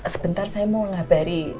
sebentar saya mau menghabari